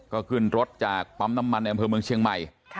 ก็ขึ้นรถจากปั๊มน้ำมันในอำเภอเมืองเชียงใหม่